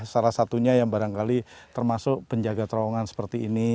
salah satunya yang barangkali termasuk penjaga terowongan seperti ini